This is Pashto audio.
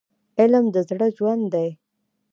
علم د زړه ژوند دی.